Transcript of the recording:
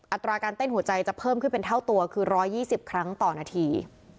อัตราการเต้นหัวใจจะเพิ่มขึ้นเป็นเท่าตัวคือ๑๒๐ครั้งต่อนาที